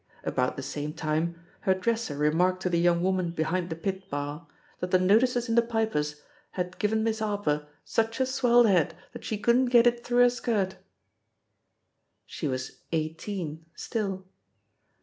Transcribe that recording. About the same time, her dresser re marked to the young woman behind the pit bar that the "notices in the pipers had given Miss *Arper such a swelled head that she couldn't get it through her skirt." She was "eighteen" still.